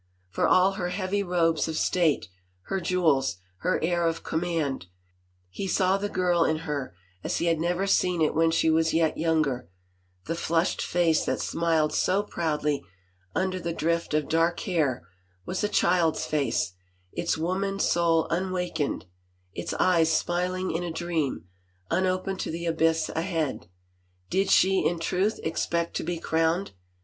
For all her heavy robes of state, her jewels, her air of command, he saw the girl in her as he had never seen it when she was yet younger ; the flushed face that smiled so proudly under the drift of dark hair was a child's face, its woman soul unwakened, its eyes smiling in a dream, unopened to the abyss ahead. Did she, in truth, expect to be crowned?